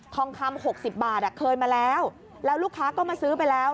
ทองคำ๖๐บาทเคยมาแล้วแล้วลูกค้าก็มาซื้อไปแล้ว